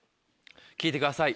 聴いてください